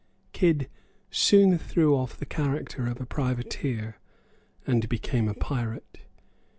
Kidd soon threw off the character of a privateer, and became a pirate.